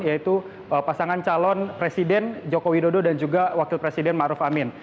yaitu pasangan calon presiden joko widodo dan juga wakil presiden maruf amin